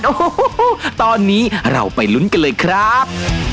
โอ้โหตอนนี้เราไปลุ้นกันเลยครับ